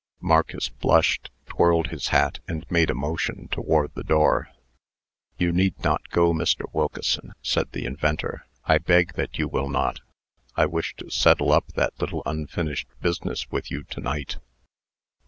Marcus blushed, twirled his hat, and made a motion toward the door. "You need not go, Mr. Wilkeson," said the inventor. "I beg that you will not. I wish to settle up that little unfinished business with you to night."